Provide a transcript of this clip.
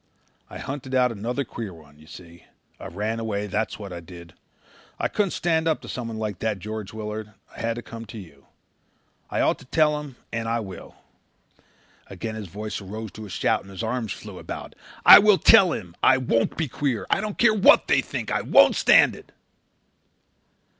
I hunted out another queer one, you see. I ran away, that's what I did. I couldn't stand up to someone like that George Willard. I had to come to you. I ought to tell him and I will." Again his voice arose to a shout and his arms flew about. "I will tell him. I won't be queer. I don't care what they think. I won't stand it."